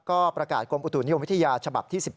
ก็ประกาศกรมอุตุนิยมวิทยาฉบับที่๑๙